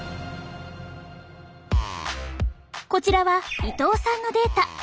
こちらは伊藤さんのデータ。